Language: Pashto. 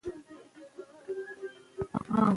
ډاکټر کرایان ټینګار وکړ چې د کولمو عادتونه مهم دي.